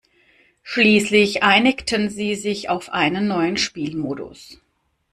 Schließlich einigten sie sich auf einen neuen Spielmodus.